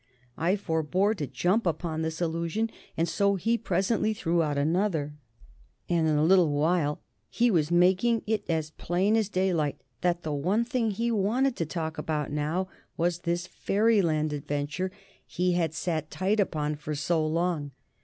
I forbore to jump upon this allusion, and so he presently threw out another, and in a little while he was making it as plain as daylight that the one thing he wanted to talk about now was this Fairyland adventure he had sat tight upon for so long.